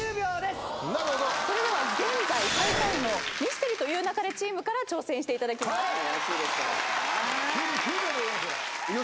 それでは現在最下位のミステリと言う勿れチームから挑戦していただきます。